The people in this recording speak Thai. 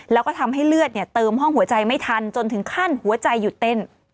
แล้วก็ทำให้เลือดเติมห้องหัวใจไม่ทันจนถึงขั้นหัวใจหยุดเต้น